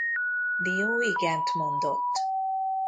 Dio igent mondott.